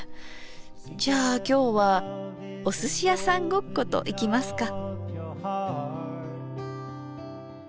じゃあ今日はおすしやさんごっこといきますか。